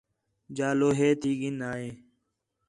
جا لوہے تی گِن آئے